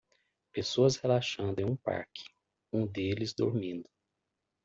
Pessoas relaxando em um parque um deles dormindo